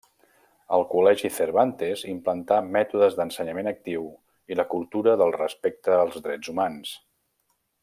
Al col·legi Cervantes implantà mètodes d'ensenyament actiu i la cultura del respecte als drets humans.